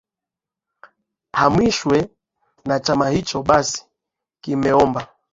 hamishwe na chama hicho basi kimeomba